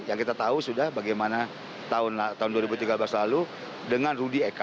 yang kita tahu sudah bagaimana tahun dua ribu tiga belas lalu dengan rudy eka